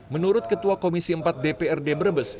menurut ketua komisi empat dprd brebes